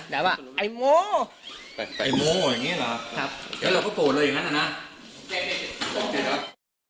แต่พ่อผมยังมีชีวิตอยู่นะครับพูดประโยคนี้ประมาณ๓รอบ